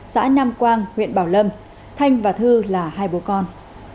xã nam quang huyện bảo lâm thanh và thư là hai bố con